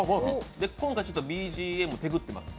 今回ちょっとＢＧＭ、テグってます。